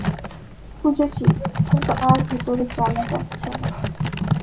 খুঁজেছি কিন্তু আর ভেতরে যাওয়া যাচ্ছে না।